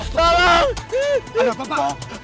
ada apa pak